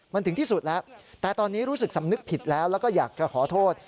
มันถึงที่สุดแล้วแต่ตอนนี้รู้สึกสำนึกผิดแล้วแล้วก็อยากจะขอโทษ